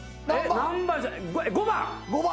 ５番？